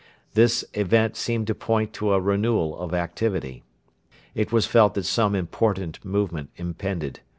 This event seemed to point to a renewal of activity. It was felt that some important movement impended.